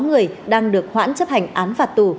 sáu người đang được hoãn chấp hành án phạt tù